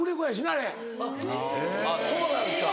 あっそうなんですか。